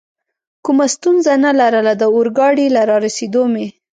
کومه ستونزه نه لرله، د اورګاډي له رارسېدو مې.